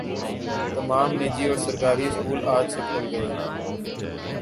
تمام نجی اور سرکاری اسکول آج سے کھل گئے